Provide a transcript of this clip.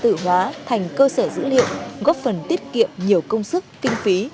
tự hóa thành cơ sở dữ liệu góp phần tiết kiệm nhiều công sức kinh phí